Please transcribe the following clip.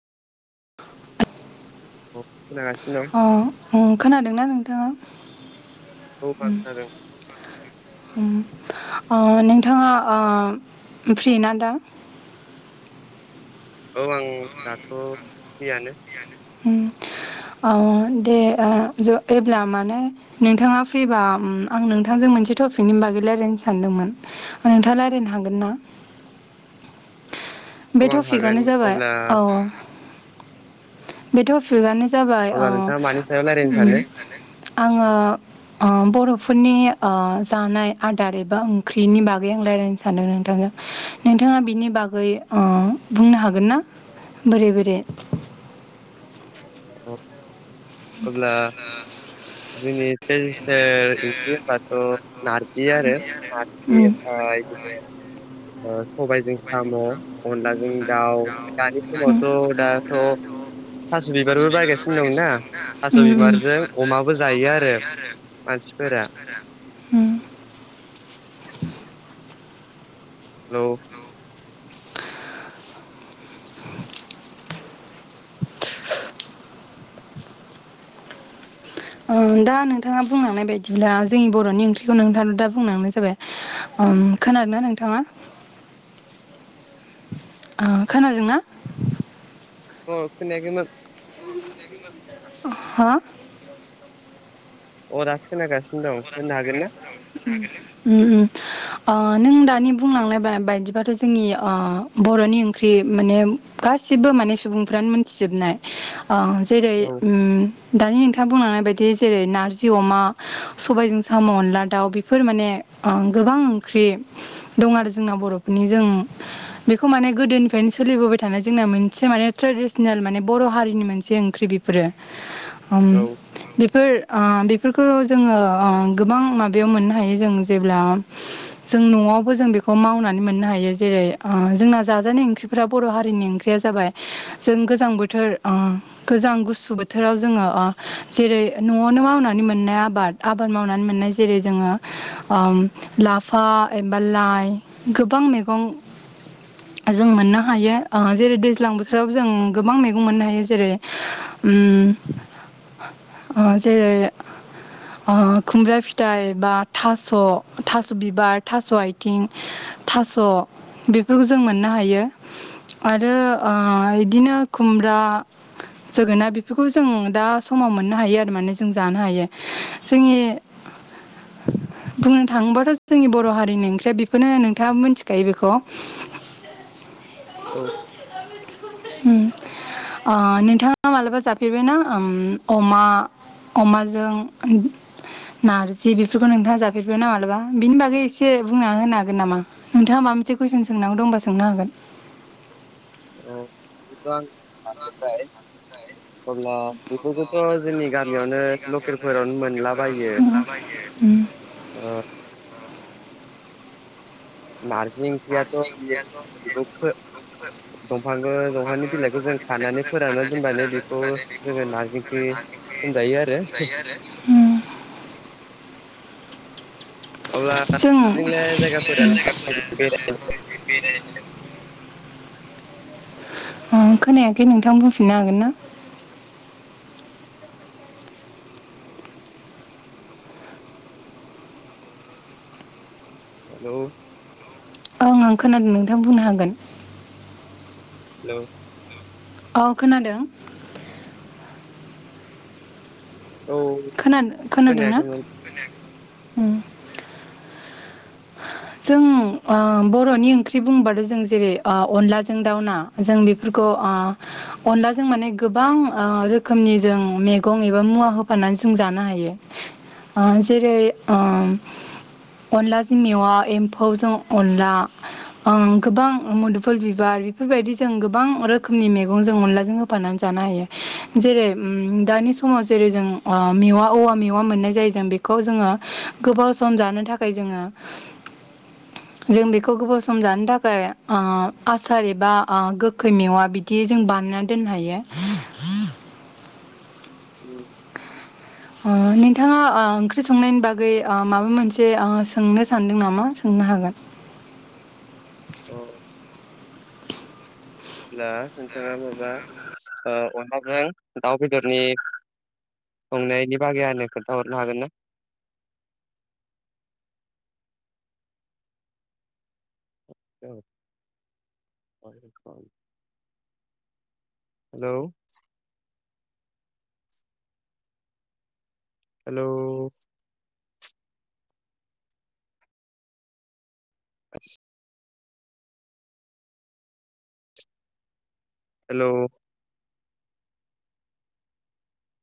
अ खोनागासिनो दं। अ ओं खोनादों ना नोंथाङा? औ [unintelligible] उम खोनादों। उम ओ नोंथाङा ओ फ्रि ना नोंथां? औ आं दाथ' फ्रियानो। ओं अ दे ओ ज एब्ला माने नोंथाङा फ्रिबा उम आं नोंथांजों मोनसे टपिकनि बागै लायरायनो सानदोंमोन। नोंथाङा रायलायनो हागोन ना? बे औ आं हागोन टपिकआनो जाबाय अब्ला औ। बे टपिकआनो जाबाय अ अब्ला नोंथाङा मानि सायाव उम रायज्लायनो आङो अ बर'फोरनि अ जानाय आदार एबा ओंख्रिनि बागै आं लायरायनो सानदों नोंथांजों। नोंथाङा बिनि बागै अ बुंनो हागोन ना बोरै बोरै? औ। [unintelligible] जोंनि ट्रेदिसनेल इंख्रि होनबा थ' नारजि आरो नारजि उम ओमफ्राय बिदिनो सबायजों साम' अनलाजों दाउ दानि समावथ' दाथ' थास' बिबारबो बायगासिनो दंनाा थास' बिबारजों अमाबो जायो आरो मानसिफोरा उम [unintelligible] ओ दा नोंथाङा बुंलांनाय बायदिब्ला जोंनि बर'नि ओंख्रिखौ नोंथां दा बुंलांनाय जाबाय। उम खोनादोंना नोंथाङा? अ खोनादोंना? अ खमोन हा अरा खोनागासिनो दं होनो हागोन ना [unintelligible] नों दानि बुंलांनाय बायदिबाथ' जोंनि बर'नि ओंख्रि माने गासिबो माने सुबुंफ्रानो मोनथिजोबनाय जेरै औ दानि नोंथाङा बुंलांनाय बायदि जेरै नारजि अमा सबायजों साम' अनला दाउ बेफोर माने गोबां ओंख्रि दं आरो जोंना बर'फोरनि जों बेखौ माने गोदोनिफ्रायनो सोलिबोबाय थानाय जोंना मोनसे माने ट्रेडिसनेल माने बर' हारिनि मोनसे ओंख्रि बे फोर औ बेफोर बेफोरखौ जोङो गोबां माबायाव मोननो हायो जों जेब्ला जों न'आवबो जों बेखौ मावनानै मोननो हायो जेरै जोंना जाजानाय ओंख्रि फोर बर' हारिनि ओंख्रिया जाबाय जों गोजां बोथोर गोजां गुसु बोथोराव जोङो जेरै न'आवनो मावनानै मोननाय आबाद आबाद मावनानै मोननाय जेरै जोङो लाफा एबा लाइ गोबां मैगं जों मोननो हायो जेरै दैज्लां बोथोराव जों गोबां मैगं मोननो हायो जेरै उम जेरै खुमब्रा फिथाइ बा थास' थास' बिबार थास' आथिं थास' बेफोरखौ जों मोननो हायो आरो बिदिनो खुमब्रा जोगोना बेफोरखौ जों दा समाव मोननो हायो आरो माने जों जानो हायो जोंनि बुंनो थाङोबाथ' जोंनि बर' हारिनि ओंख्रिया बेखौनो नोंथाङा मिथिखायो बेखौ [inaudible] औ उम नोंथाङा मालाबा जाफेरबायनाा अमा अमाजों ओ नारजि बेफोरखौ नोंथाङा जाफेरबाय ना मालाबा बिनि बागै एसे बुंना होनो हागोन नामा नोंथाङा माब मोनसे कुइसन सोंांगौ दंबा सोंनो हागोन औ अब्ला बेफोरखौथ' जोंनि गामियावनो लकेलफोरावनो मोनलाबायो [unintelligible] नारजि ओंख्रियाथ' बियो बेखौ दंफांखौ दंफांनि बिलाइखौ जों बिलाइखौ खानानै जों फोरानना खानानै दोनबानो फोरानना बेखौ होबानो बेखौ नारजि ओंख्रि जोङो दानिस होनजायो आरो बुंजायो आरो जों अब्लाजोंलाय जायगाफोरालाय बेराय खोनायाखै नोंथां बुंफिननो हागोन ना हेल' औं आं खोनादों नोंथांआ बुंनो हागोन हेल' औ खोनादों औ खोनादों खोनादों ना खोनायाखैमोन जों बर'नि ओंख्रि बुंबाथ' जों जेरै अनलाजों दाउना जों बेफोरखौ अनलाजोंों माने गोबां रोखोमनि जों मैगं एबा मुवा होफानानै जों जानो हायो जेरै अनलाजों मेवआ एम्फौजों अनला गोबां मुदुफल बिबार बेफोरबायदि जों गोबां रोखोमनि मैगं जों अनलाजों होफानानै जानो हायो जेरै उम दानि समाव जेरै जों अ मेवा औवा मेवा मोन्नाय जायो जों बे खौ जोङो गोबाव सम जानो थाखाय जोङो जों बेखौ गोबाव सम जानो थाखाय ओ आसार एबा आ गोखै मेवा बिदि खि जों बानायना दोननो हायो। उम ओ नोंथाङा ओ ओंख्रि संनायनि बागै ओ माबा मोनसे ओ सोंनो सानदों नामा सोंनो हागोन। औ अब्ला नोंथाङा माबा ओ अनलाजों दाउ बेदरनि संनायनि बागै आनो खोनथा हरनो हागोन ना? औ [unintelligible] हेल' हेलौ [unintelligible] हेलौ